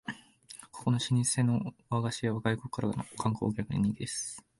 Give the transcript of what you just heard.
ここの老舗の和菓子屋は外国からの観光客に人気です